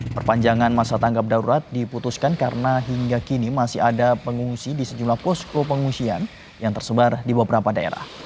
perpanjangan masa tanggap darurat diputuskan karena hingga kini masih ada pengungsi di sejumlah posko pengungsian yang tersebar di beberapa daerah